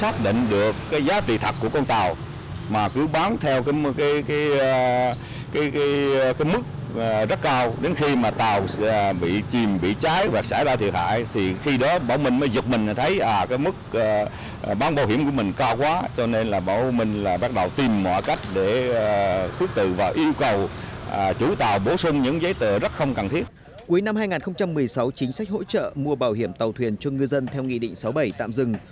cuối năm hai nghìn một mươi sáu chính sách hỗ trợ mua bảo hiểm tàu thuyền cho ngư dân theo nghị định sáu bảy tạm dừng